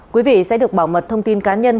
quý vị sẽ được bảo mật thông tin cá nhân